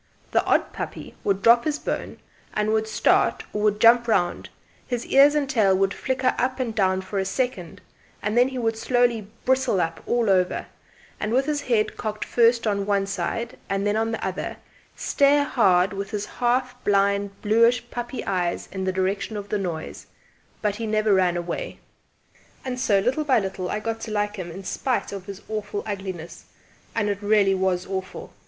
The odd puppy would drop his bone with a start or would jump round; his ears and tail would flicker up and down for a second; then he would slowly bristle up all over, and with his head cocked first on one side and then on the other, stare hard with his half blind bluish puppy eyes in the direction of the noise; but he never ran away. And so, little by little, I got to like him in spite of his awful ugliness. And it really was awful!